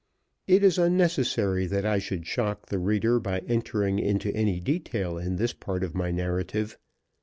It is unnecessary that I should shock the reader by entering into any detail in this part of my narrative.